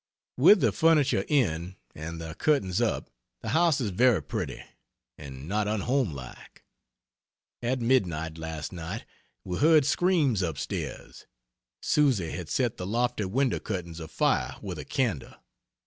With the furniture in and the curtains up the house is very pretty, and not unhomelike. At mid night last night we heard screams up stairs Susy had set the lofty window curtains afire with a candle.